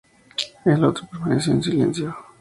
El otro permaneció en silencio.